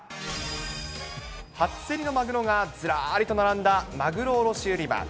初競りのマグロがずらりと並んだ、マグロ卸売場。